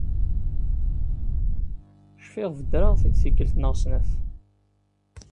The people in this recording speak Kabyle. Cfiɣ bedreɣ-t-id tikelt neɣ snat.